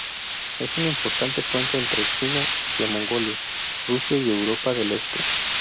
Es un importante puente entre China hacia Mongolia, Rusia y Europa del Este.